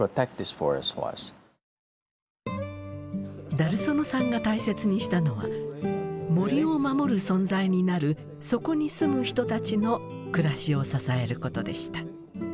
ダルソノさんが大切にしたのは森を守る存在になるそこに住む人たちの暮らしを支えることでした。